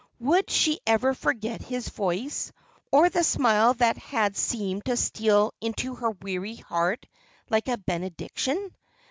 Would she ever forget his voice, or the smile that had seemed to steal into her weary heart like a benediction?